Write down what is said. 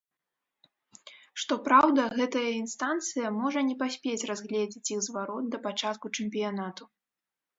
Што праўда, гэтая інстанцыя можа не паспець разгледзець іх зварот да пачатку чэмпіянату.